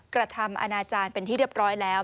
กระทำอาณาจารย์เป็นที่เรียบร้อยแล้ว